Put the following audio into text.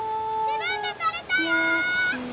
自分で取れたよ！